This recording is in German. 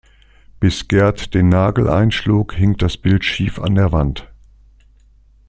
Bis Gerd den Nagel einschlug, hing das Bild schief an der Wand.